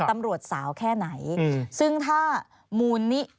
ตำรวจสาวแค่ไหนซึ่งถ้ามูลนิ